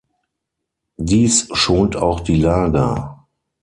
Dies schont auch die Lager.